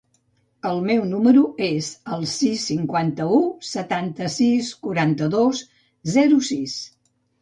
El meu número es el sis, cinquanta-u, setanta-sis, quaranta-dos, zero, sis.